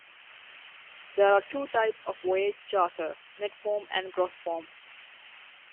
There are two types of voyage charter - net form and gross form.